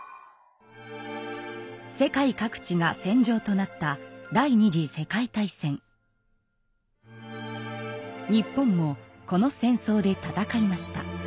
世界各地が戦場となった日本もこの戦争で戦いました。